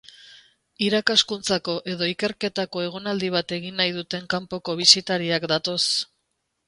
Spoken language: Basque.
Irakaskuntzako edo ikerketako egonaldi bat egin nahi duten kanpoko bisitariak datoz.